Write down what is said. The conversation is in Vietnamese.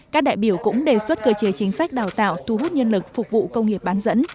các đại biểu cũng đề xuất cơ chế chính sách đào tạo thu hút nhân lực phục vụ công nghiệp bán dẫn